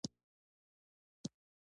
درګرده يې چيغې وهلې.